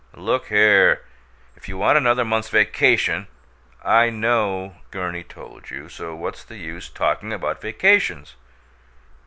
"Look here! If you want another month's vacation " "I know Gurney told you, so what's the use talking about 'vacations'?"